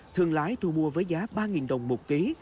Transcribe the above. thương lái thu mua với giá ba nghìn đồng một kg